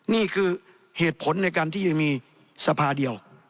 นี่คือเหตุผลในการที่จะมีสภาเดียว